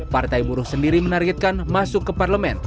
partai buruh sendiri menargetkan masuk ke parlemen